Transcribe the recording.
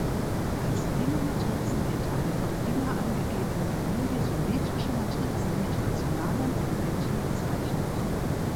Als "Lehmer-Matrizen" wird eine von Lehmer angegebene Familie symmetrischer Matrizen mit rationalen Elementen bezeichnet.